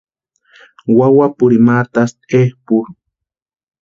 Wawapurini ma atasti epʼurhu.